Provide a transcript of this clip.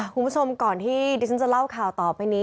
คุณผู้ชมก่อนที่ดิฉันจะเล่าข่าวต่อไปนี้